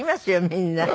みんな。